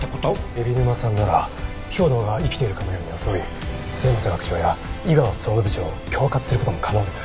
海老沼さんなら兵働が生きているかのように装い末政学長や猪川総務部長を恐喝する事も可能です。